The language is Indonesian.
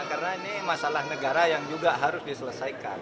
karena ini masalah negara yang juga harus diselesaikan